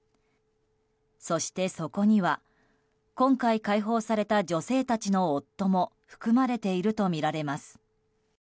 そして、そこには今回解放された女性たちの夫も含まれているとみられます。